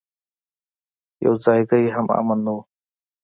يو ځايګى هم امن نه و.